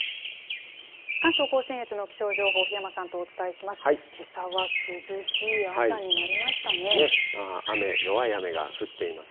関東甲信越の気象情報、檜山さんとお伝えします。